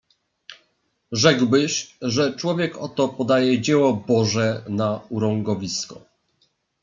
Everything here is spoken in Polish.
"Rzekłbyś, że człowiek oto podaje dzieło Boże na urągowisko."